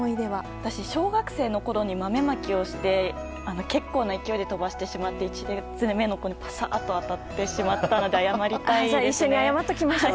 私、小学生のころ豆まきをして結構な勢いで飛ばしてしまって１列目の子に当たってしまったので謝りたいですね。